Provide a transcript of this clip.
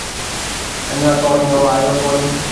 اَڃون توڻِي او آئيو ڪونھيَََ۔